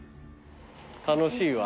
楽しいわ。